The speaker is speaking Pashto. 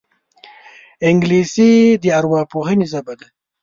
انګلیسي د ارواپوهنې ژبه ده